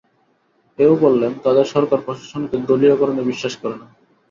এও বললেন, তাঁদের সরকার প্রশাসনকে দলীয়করণে বিশ্বাস করে না।